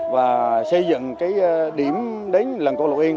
và xây dựng cái điểm đến làng cổ lộc yên